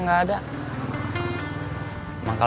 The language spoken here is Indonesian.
tidak ada apa apa